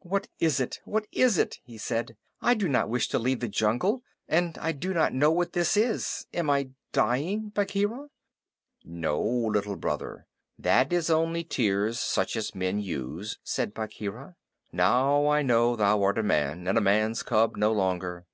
"What is it? What is it?" he said. "I do not wish to leave the jungle, and I do not know what this is. Am I dying, Bagheera?" "No, Little Brother. That is only tears such as men use," said Bagheera. "Now I know thou art a man, and a man's cub no longer.